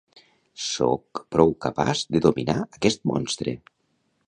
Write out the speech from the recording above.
Sóc prou capaç de dominar aquest monstre!